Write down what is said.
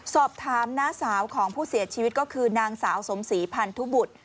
สอบถามน้าสาวของผู้เสียชีวิตก็คือนางสาวสมศรีพันธุบุตร